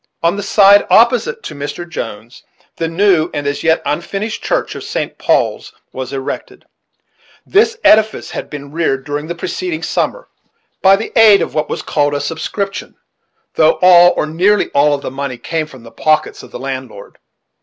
On the side opposite to Mr. Jones, the new and as yet unfinished church of St. Paul's was erected, This edifice had been reared during the preceding summer, by the aid of what was called a subscription; though all, or nearly all, of the money came from the pockets of the landlord.